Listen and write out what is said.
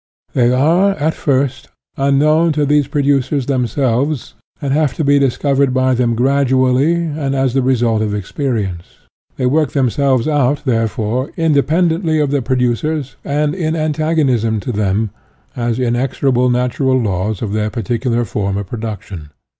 They are, at first, unknown to these producers them selves, and have to be discovered by them gradually and as the result of experience. They work themselves out, therefore, inde pendently of the producers, and in antag onism to them, as inexorable natural laws UTOPIAN AND SCIENTIFIC IO/ of their particular form of production.